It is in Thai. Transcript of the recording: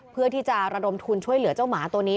เพื่อที่จะระดมทุนช่วยเหลือเจ้าหมาตัวนี้